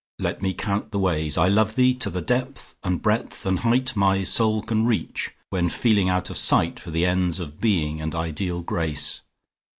Let me count the ways. I love thee to the depth and breadth and height My soul can reach, when feeling out of sight For the ends of Being and ideal Grace.